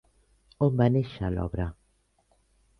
On va néixer l'obra?